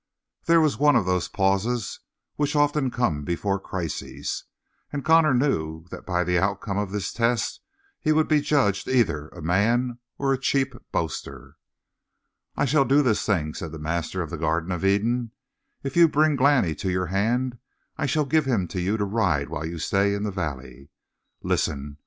There was one of those pauses which often come before crises, and Connor knew that by the outcome of this test he would be judged either a man or a cheap boaster. "I shall do this thing," said the master of the Garden of Eden. "If you bring Glani to your hand I shall give him to you to ride while you stay in the valley. Listen!